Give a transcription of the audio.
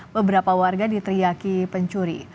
beberapa warga diteriaki pencuri